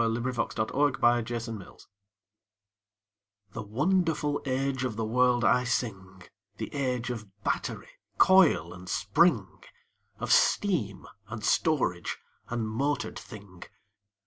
THE AGE OF MOTORED THINGS The wonderful age of the world I sing— The age of battery, coil and spring, Of steam, and storage, and motored thing.